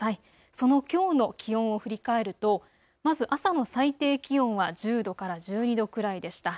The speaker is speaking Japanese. そのきょうの気温を振り返るとまず朝の最低気温は１０度から１２度くらいでした。